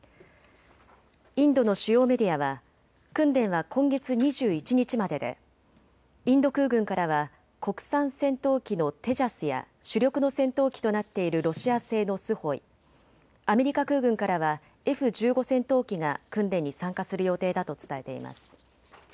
インドの主要メディアは訓練は今月２１日まででインド空軍からは国産戦闘機のテジャスや主力の戦闘機となっているロシア製のスホイ、アメリカ空軍からはＦ１５戦闘機が訓練に参加する予定だと伝えています。